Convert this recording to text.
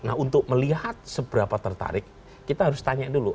nah untuk melihat seberapa tertarik kita harus tanya dulu